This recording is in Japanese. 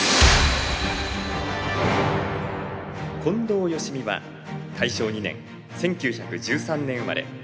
近藤芳美は大正２年１９１３年生まれ。